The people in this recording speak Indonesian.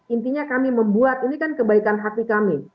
intinya kami membuat ini kan kebaikan hati kami